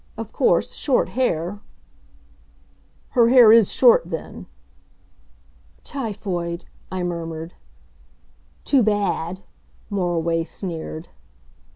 Of course, short hair " "Her hair is short, then!" "Typhoid," I murmured. "Too bad!" Moriway sneered.